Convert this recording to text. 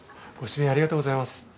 ご指名ありがとうございます。